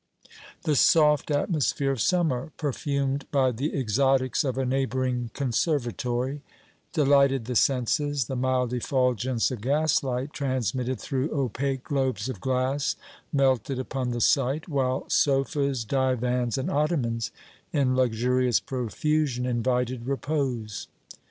The soft atmosphere of summer, perfumed by the exotics of a neighboring conservatory, delighted the senses, the mild effulgence of gaslight transmitted through opaque globes of glass melted upon the sight, while sofas, divans and ottomans in luxurious profusion invited repose.